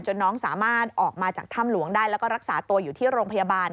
น้องสามารถออกมาจากถ้ำหลวงได้แล้วก็รักษาตัวอยู่ที่โรงพยาบาล